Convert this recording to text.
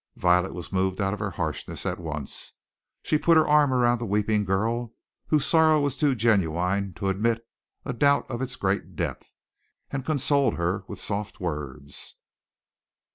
Violet was moved out of her harshness at once. She put her arm around the weeping girl, whose sorrow was too genuine to admit a doubt of its great depth, and consoled her with soft words.